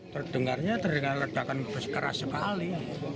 terdengarnya terdengar ledakan bergerak sekali